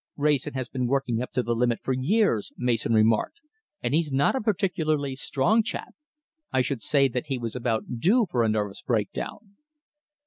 "Wrayson has been working up to the limit for years," Mason remarked, "and he's not a particularly strong chap. I should say that he was about due for a nervous breakdown."